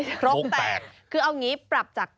รกแตกคือเอางี้ปรับจาก